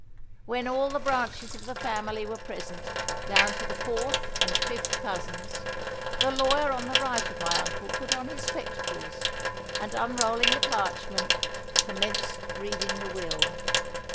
When all the branches of the family were present, down to the fourth and fifth cousins, the lawyer on the right of my uncle put on his spectacles, and unrolling the parchment, commenced reading the will.